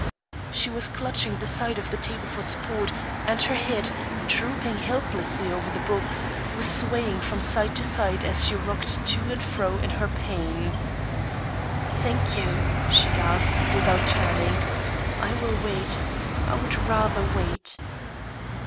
She was clutching the side of the table for support, and her head, drooping helplessly over the box, was swaying from side to side as she rocked to and fro in her pain. "Thank you!" she gasped, without turning, "I will wait. I would rather wait."